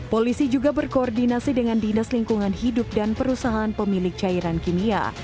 polisi juga berkoordinasi dengan dinas lingkungan hidup dan perusahaan pemilik cairan kimia